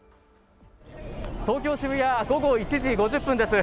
東京渋谷、午後１時５０分です。